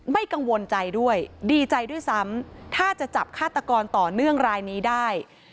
ไม่กังวลใจด้วยดีใจด้วยซ้ำถ้าจะจับฆาตกรต่อเนื่องรายนี้ได้